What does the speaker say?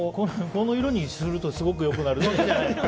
この色にするとすごく良くなるみたいな。